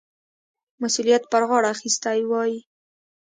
مسؤلیت پر غاړه اخیستی وای.